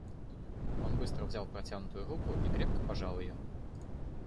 Он быстро взял протянутую руку и крепко пожал ее.